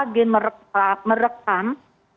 kejadian gempa di jawa tenggara